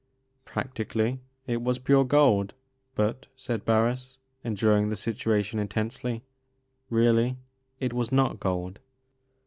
" "Practically it was pure gold; but," said Harris, enjoying the situation intensely, "really it was not gold.